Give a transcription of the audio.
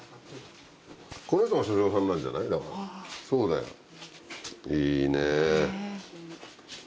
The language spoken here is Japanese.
そうだよ。